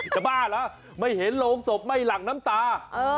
บ้าเหรอไม่เห็นโรงศพไม่หลั่งน้ำตา